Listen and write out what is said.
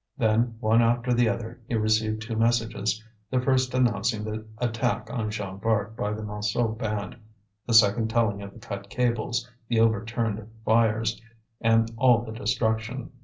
Then, one after the other, he received two messages, the first announcing the attack on Jean Bart by the Montsou band, the second telling of the cut cables, the overturned fires, and all the destruction.